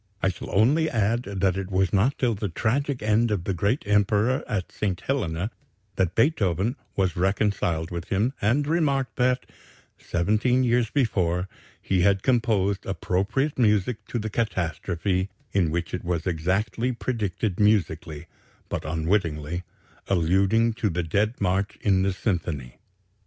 I shall only add that it was not till the tragic end of the great Emperor at St. Helena that Beethoven was reconciled with him and remarked that, seventeen years before, he had composed appropriate music to the catastrophe, in which it was exactly predicted musically, but unwittingly alluding to the Dead March in the symphony."